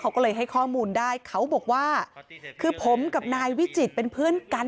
เขาก็เลยให้ข้อมูลได้เขาบอกว่าคือผมกับนายวิจิตรเป็นเพื่อนกัน